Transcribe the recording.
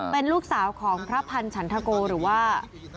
เป็นลูกสาวของพระพันธ์ฉันทโกหรือว่า